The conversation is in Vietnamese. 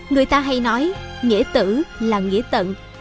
người ta hay nói nghĩa tử là nghĩa tận